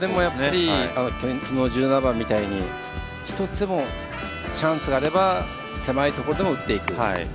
きのうの１７番みたいに１つでもチャンスがあれば狭いところでも打っていく。